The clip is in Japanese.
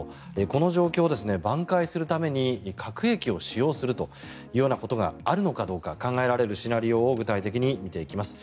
この状況をばん回するために核兵器を使用するというようなことがあるのかどうか考えられるシナリオを具体的に見ていきます。